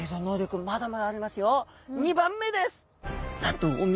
２番目です！